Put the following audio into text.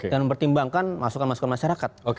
dan mempertimbangkan masukan masukan masyarakat